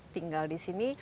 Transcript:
tinggal di sini